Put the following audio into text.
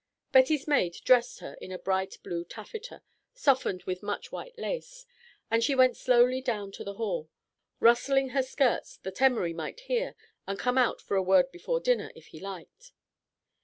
Betty's maid dressed her in a bright blue taffeta, softened with much white lace, and she went slowly down to the hall, rustling her skirts that Emory might hear and come out for a word before dinner if he liked.